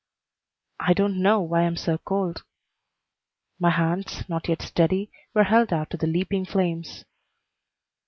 "I don't know why I am so cold." My hands, not yet steady, were held out to the leaping flames.